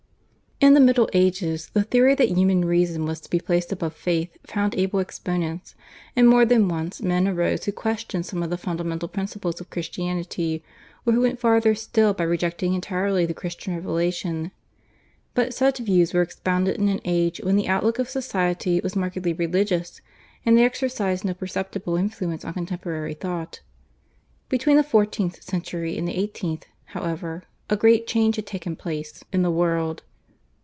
In the Middle Ages the theory that human reason was to be placed above faith found able exponents, and more than once men arose who questioned some of the fundamental principles of Christianity, or who went farther still by rejecting entirely the Christian revelation. But such views were expounded in an age when the outlook of society was markedly religious, and they exercised no perceptible influence on contemporary thought. Between the fourteenth century and the eighteenth, however, a great change had taken place in the world.